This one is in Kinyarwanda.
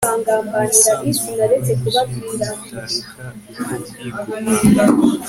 wisanzuye indyo yuzuye Nutareka uko kwigomwa